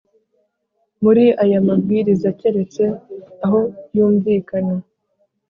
Muri aya mabwiriza keretse aho yumvikana